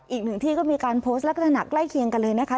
อีกหนึ่งที่ก็มีการโพสต์ลักษณะใกล้เคียงกันเลยนะคะ